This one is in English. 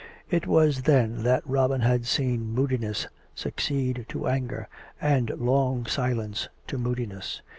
It was then that Robin had seen moodiness succeed to anger, and long silence to moodiness.